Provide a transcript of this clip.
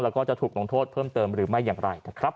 แล้วก็จะถูกลงโทษเพิ่มเติมหรือไม่อย่างไรนะครับ